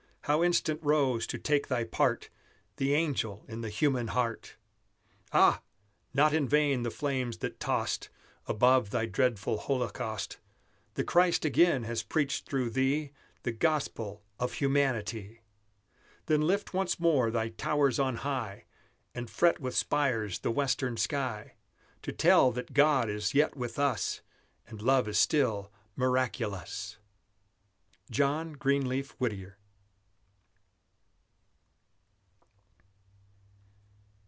How instant rose, to take thy part, The angel in the human heart! Ah! not in vain the flames that tossed Above thy dreadful holocaust; The Christ again has preached through thee The Gospel of Humanity! Then lift once more thy towers on high, And fret with spires the western sky, To tell that God is yet with us, And love is still miraculous! JOHN GREENLEAF WHITTIER.